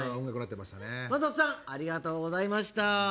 将人さんありがとうございました。